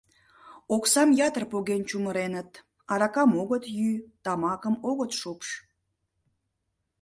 Оксам ятыр поген чумыреныт, аракам огыт йӱ, тамакым огыт шупш.